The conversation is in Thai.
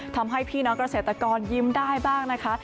ทำให้พี่น้องเกษตรกรยิ้มได้บ้างนะคะ